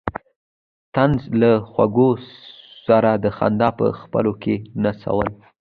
د طنز له خوږو سره د خندا په څپو کې نڅول.